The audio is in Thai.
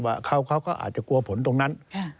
ว่าเขาก็อาจจะกลัวผลตรงนั้น